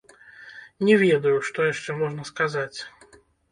Не ведаю, што яшчэ можна сказаць.